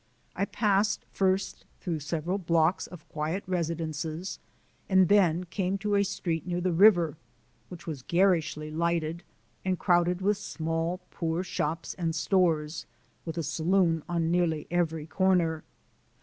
I passed first through several blocks of quiet residences, and then came to a street near the river which was garishly lighted, and crowded with small, poor shops and stores, with a saloon on nearly every corner.